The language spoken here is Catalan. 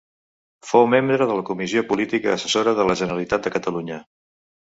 Fou membre de la Comissió Política Assessora de la Generalitat de Catalunya.